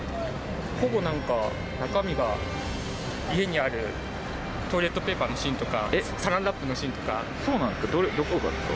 ほぼなんか、中身が家にあるトイレットペーパーの芯とか、サランそうなんですか？どこがです